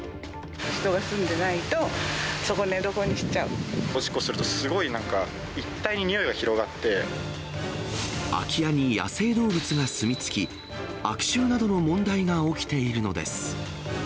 人が住んでないと、そこ、おしっこすると、すごいなん空き家に野生動物が住み着き、悪臭などの問題が起きているのです。